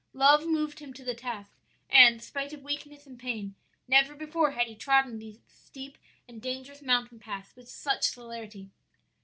"Love moved him to the task, and spite of weakness and pain, never before had he trodden those steep and dangerous mountain paths with such celerity.